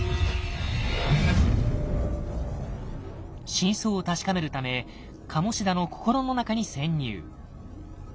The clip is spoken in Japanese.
真相を確かめるため鴨志田の心の中に潜入。